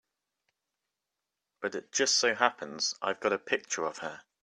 But it just so happens I've got a picture of her.